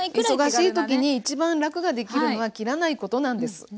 忙しい時に一番楽ができるのは切らないことなんです。